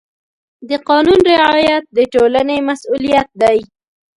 د قانون رعایت د ټولنې مسؤلیت دی.